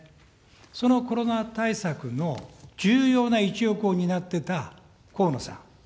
そのコロナ対策の重要な一翼を担っていた河野さん。